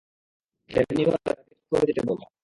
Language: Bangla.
তেমনিভাবে, তাকে চুপ করে যেতে বলো।